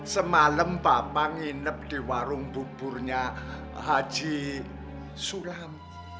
semalam papa nginep di warung buburnya haji sulam